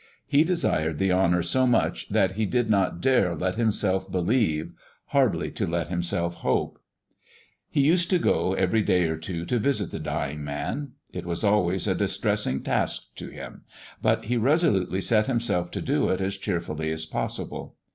He desired the honor so much that he did not dare let himself believe hardly to let himself hope. He used to go every day or two to visit the dying man. It was always a distressing task to him, but he resolutely set himself to do it as cheerfully as possible.